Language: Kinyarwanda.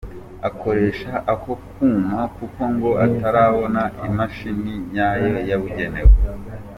Akoresha ako kuma kuko ngo atarabona imashini nyayo yabugenewe.